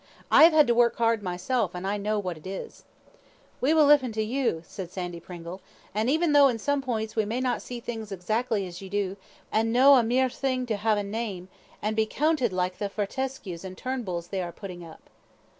I have had to work hard myself, and I know what it is." "We will lippen to you," said Sandy Pringle, "and even though in some points we may not see things exactly as ye do, we want a man, an' no a mere thing to hae a name, an' be coonted like thae Fortescues and Turnbulls they are puttin' up."